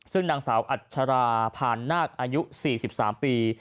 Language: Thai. ซึ่งนางสาวอัชราผ่านนาคอายุ๔๓ปี